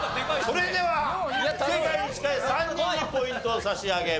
それでは正解に近い３人にポイントを差し上げます。